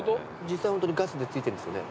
実際ホントにガスでついてるんですよね？